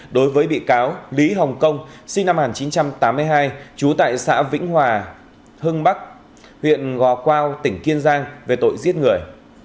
đối với bị cáo lý hồng công sinh năm một nghìn chín trăm tám mươi hai trú tại xã vĩnh hòa hưng bắc huyện ngò quao tỉnh kiên giang về tội giết người